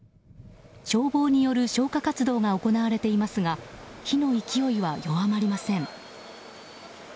消防による消火活動が行われていますが火の勢いは弱まりません。